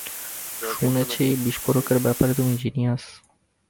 শুনেছি বিস্ফোরকের ব্যপারে তুমি জিনিয়াস।